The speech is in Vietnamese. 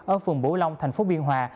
ở phường bủ long tp biên hòa